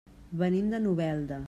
Venim de Novelda.